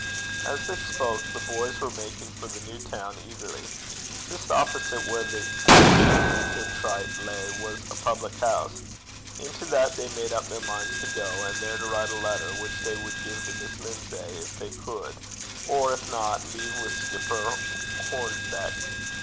As they spoke, the boys were making for the new town, eagerly. Just opposite where the Amphitrite lay was a public house: into that they made up their minds to go, and there to write a letter, which they would give to Miss Lindsay if they could, or, if not, leave with Skipper Hoornbeek.